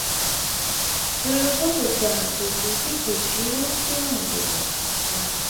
Sɨrɨ bo bɨ̀ bɨ̀jààntə̂ bi bɔ kì ghɛ̀ɛ a nsìʼi mûŋgèn wâ.